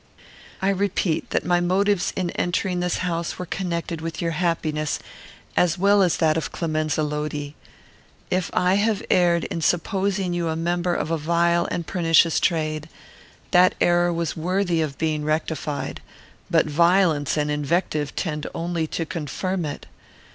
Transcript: "I repeat that my motives in entering this house were connected with your happiness as well as that of Clemenza Lodi. If I have erred in supposing you the member of a vile and pernicious trade, that error was worthy of being rectified, but violence and invective tend only to confirm it.